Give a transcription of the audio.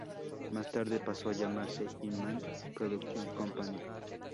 Más tarde pasó a llamarse Hinman Production Company.